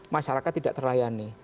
masyarakat tidak terlayani